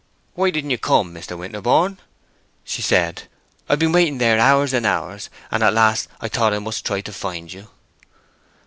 "Why didn't you come, Mr. Winterborne?" she said. "I've been waiting there hours and hours, and at last I thought I must try to find you."